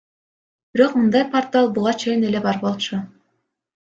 Бирок мындай портал буга чейин эле бар болчу.